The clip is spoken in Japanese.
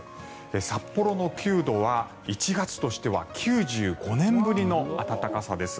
札幌の９度は１月としては９５年ぶりの暖かさです。